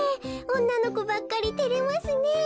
おんなのこばっかりてれますねえ。